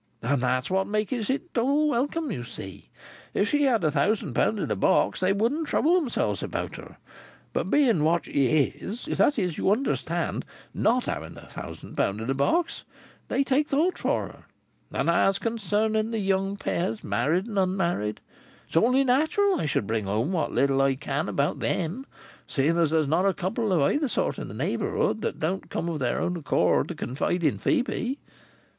And that's what makes it double welcome, you see. If she had a thousand pound in' a box, they wouldn't trouble themselves about her; but being what she is—that is, you understand," Lamps added, somewhat hurriedly, "not having a thousand pound in a box—they take thought for her. And as concerning the young pairs, married and unmarried, it's only natural I should bring home what little I can about them, seeing that there's not a Couple of either sort in the neighbourhood that don't come of their own accord to confide in Phœbe."